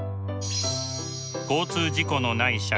交通事故のない社会。